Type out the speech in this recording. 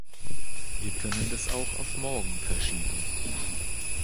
Wir können das auch auf morgen verschieben.